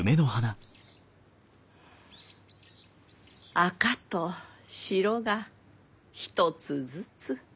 赤と白が一つずつ。